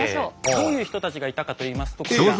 どういう人たちがいたかといいますとこちら。